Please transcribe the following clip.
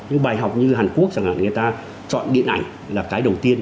những bài học như hàn quốc chẳng hạn người ta chọn điện ảnh là cái đầu tiên